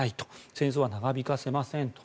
戦争は長引かせませんと。